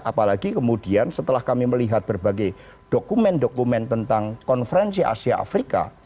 apalagi kemudian setelah kami melihat berbagai dokumen dokumen tentang konferensi asia afrika